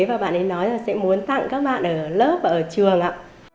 và bạn ấy nói là sẽ muốn tặng các bạn ở lớp và ở trường ạ